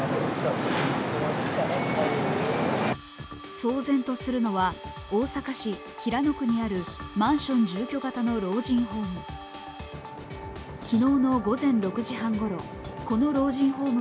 騒然とするのは大阪市平野区にあるマンション住居型の老人ホーム。